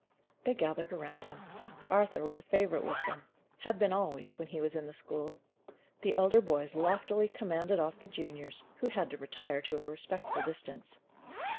They gathered around him. Arthur was a favourite with them; had been always, when he was in the school. The elder boys loftily commanded off the juniors, who had to retire to a respectful distance.